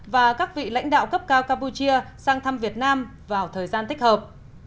và các vị lãnh đạo cấp cao campuchia sang thăm việt nam vào thời gian tích hợp